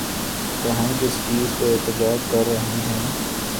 تو ہم کس چیز پہ احتجاج کر رہے ہیں؟